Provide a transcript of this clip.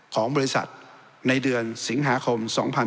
ของบริษัทในเดือนสิงหาคม๒๕๖๒